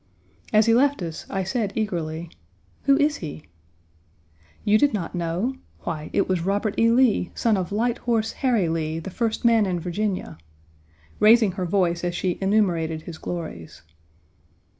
As he left us, I said eagerly, "Who is he?" "You did not know! Why, it was Robert E. Lee, son of Light Horse Harry Lee, the first man in Virginia," raising her voice as she enumerated his glories.